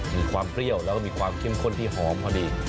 มีความเปรี้ยวแล้วก็มีความเข้มข้นที่หอมพอดี